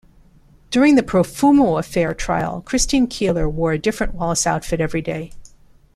During the Profumo Affair trial, Christine Keeler wore a different Wallis outfit every day.